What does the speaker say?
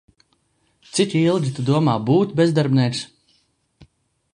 Cik ilgi Tu domā būt bezdarbnieks?